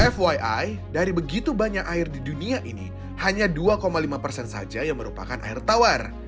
fyi dari begitu banyak air di dunia ini hanya dua lima persen saja yang merupakan air tawar